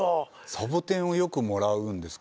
サボテンをよくもらうんですか？